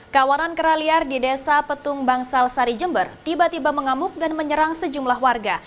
kawanan kera liar di desa petung bangsal sari jember tiba tiba mengamuk dan menyerang sejumlah warga